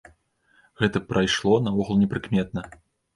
Гэта прайшло наогул непрыкметна.